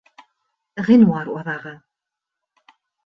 Ғинуар аҙағы.